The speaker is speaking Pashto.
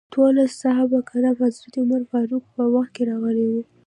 دولس صحابه کرام د حضرت عمر فاروق په وخت کې راغلي وو.